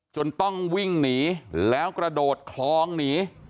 จนต้องวิ่งหนีแล้วกระโดดคลองหนี